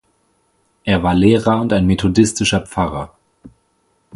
Er war Lehrer und ein methodistischer Pfarrer.